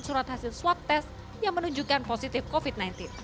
surat hasil swab test yang menunjukkan positif covid sembilan belas